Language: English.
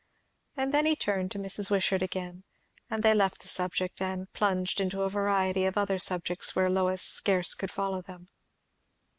And then he turned to Mrs. Wishart again, and they left the subject and plunged into a variety of other subjects where Lois scarce could follow them.